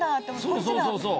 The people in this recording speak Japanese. そうそうそうそう。